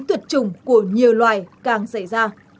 tuyệt chủng của nhiều loài càng xảy ra